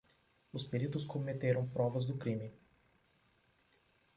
Os peritos cometeram provas do crime.